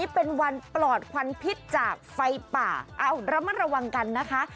เป็นวันปลอดควันพิษจากไฟป่าเอาระมัดระวังกันนะคะ